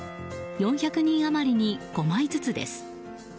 ４００人余りに５枚ずつです。